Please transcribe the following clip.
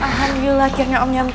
ahan yula akhirnya omset